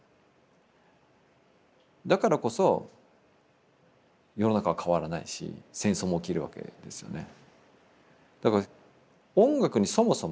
だからこそ世の中は変わらないし戦争も起きるわけですよね。